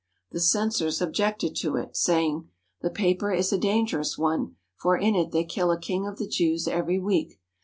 The censors objected to it, saying: "The paper is a dangerous one, for in it they kill a King of the Jews every week.